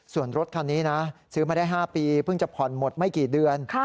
ส่วนรถคันนี้นะซื้อมาได้๕ปีเพิ่งจะผ่อนหมดไม่กี่เดือน